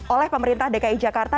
oleh pemerintah dki jakarta